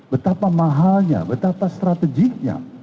betapa mahalnya betapa strateginya